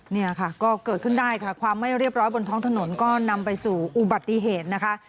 เนี่ยค่ะก็เกิดขึ้นได้ค่ะความไม่เรียบร้อยบนท้องถนนก็นำไปสู่อุบัติเหตุนะคะ